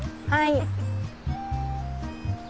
はい。